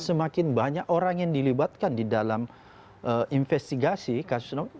semakin banyak orang yang dilibatkan di dalam investigasi kasus novel